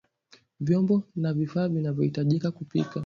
Vyombo na vifaa vinavyahitajika kupika